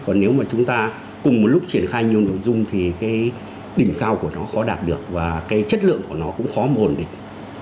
còn nếu mà chúng ta cùng một lúc triển khai nhiều nội dung thì cái đỉnh cao của nó khó đạt được và cái chất lượng của nó cũng khó ổn định